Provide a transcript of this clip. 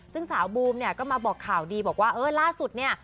ซึ่งสาวบูมเนี่ยก็มาบอกข่าวดีบอกว่าเออล่าสุดเนี่ย